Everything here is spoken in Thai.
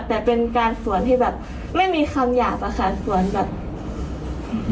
แต่เป็นการสวนที่แบบไม่มีคำอยากอะค่ะสวนแบบอืม